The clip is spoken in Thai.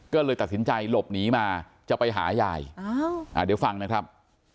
ก็เลยตัดสินใจหลบหนีมาจะไปหายายเดี๋ยวฟังนะครับ